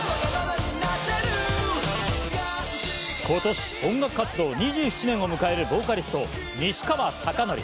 今年、音楽活動２７年を迎えるボーカリスト・西川貴教。